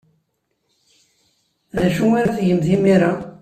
D acu ara tgemt imir-a?